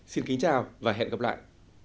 xin kính chào và hẹn gặp lại